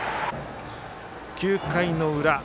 ９回の裏。